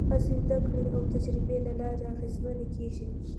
هڅې د زدهکړې او تجربې له لارې اغېزمنې کېږي.